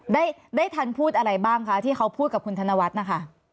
ได้ได้ทันพูดอะไรบ้างคะที่เขาพูดกับคุณธนวัฒน์นะคะ